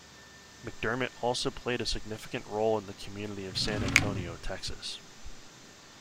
McDermott also played a significant role in the community of San Antonio, Texas.